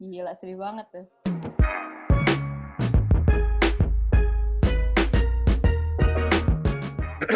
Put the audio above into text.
gila seri banget tuh